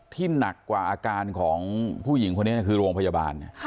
หนักกว่าอาการของผู้หญิงคนนี้คือโรงพยาบาล